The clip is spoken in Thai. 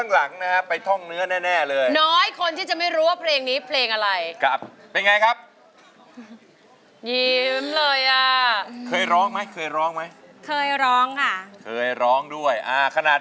ก็ยังเหลืออีกตัวนึงก็ยังเหลืออีกแผ่นนึงนะครับ